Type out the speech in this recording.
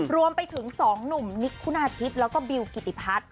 รวมไปถึง๒หนุ่มนิกคุณาธิตแล้วก็บิวกิติพัฒน์